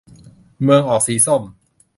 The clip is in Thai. เมืองออกสีส้ม